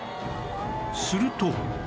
すると